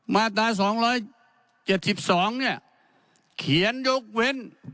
มาตราสองร้อยเจ็ดสิบสองเนี่ยเขียนยกเว้น